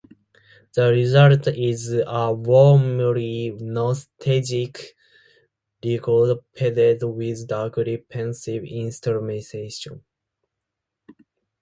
The result is a warmly nostalgic record padded with darkly pensive instrumentation.